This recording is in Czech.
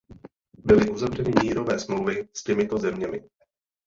Byly uzavřeny mírové smlouvy s těmito zeměmi.